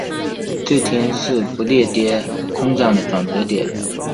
这天是不列颠空战的转折点。